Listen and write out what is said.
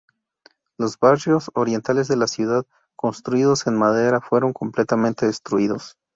Los barrios orientales de la ciudad, construidos en madera, fueron completamente destruidos.